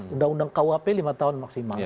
undang undang kuhp lima tahun maksimal